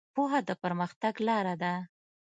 پوهه د پرمختګ لاره ده.